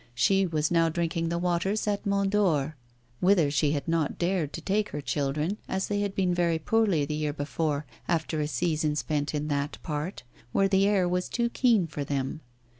She was now drinking the waters at Mont Dore, whither she had not dared to take her children, as they had been very poorly the year before, after a season spent in that part, where the air was too keen for them.